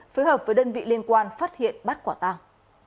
phối hợp với đơn vị liên quan phát hiện bắt quả tàng